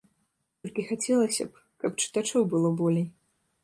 Толькі хацелася б, каб чытачоў было болей.